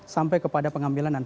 sampai kepada pengambilan